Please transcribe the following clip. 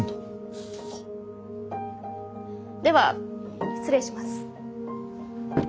３。では失礼します。